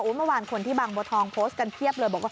เมื่อวานคนที่บางบัวทองโพสต์กันเพียบเลยบอกว่า